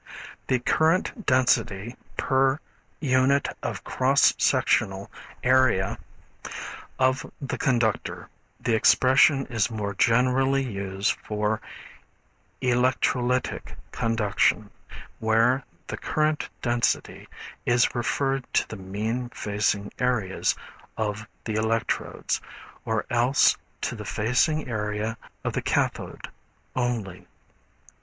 The current intensity per unit of cross sectional area of the conductor. The expression is more generally used for electrolytic conduction, where the current density is referred to the mean facing areas of the electrodes, or else to the facing area of the cathode only.